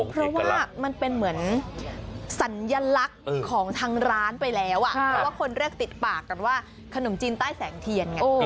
เพราะว่ามันเป็นเหมือนสัญลักษณ์ของทางร้านไปแล้วเพราะว่าคนแรกติดปากกันว่าขนมจีนใต้แสงเทียนไง